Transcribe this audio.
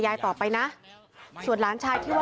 คุณสังเงียมต้องตายแล้วคุณสังเงียม